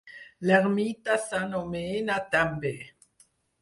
L'ermita s'anomena també.